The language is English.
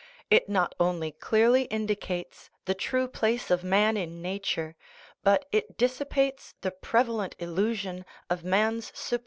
It not only clearly indicates the true place of man in nature, but it dissipates the prevalent illusion of man's supreme * Cf